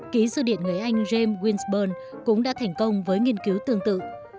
ký sưu điện người anh james winsburn cũng đã thành công với nghiên cứu tương tự